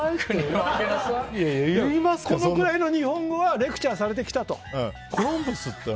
これぐらいの日本語はレクチャーされて来ただろうと。